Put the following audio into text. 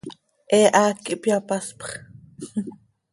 He haac ihpyapaspx.